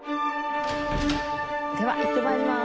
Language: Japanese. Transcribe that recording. では行って参ります。